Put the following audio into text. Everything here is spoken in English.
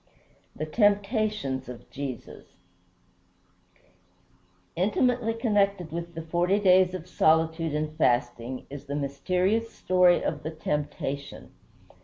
IX THE TEMPTATIONS OF JESUS Intimately connected with the forty days of solitude and fasting is the mysterious story of the Temptation.